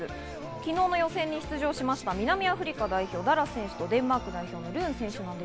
昨日の予選に出場しました南アフリカ代表のダラス選手とデンマーク代表のルーン選手。